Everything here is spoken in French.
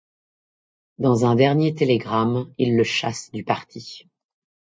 Dans un dernier télégramme, il le chasse du parti.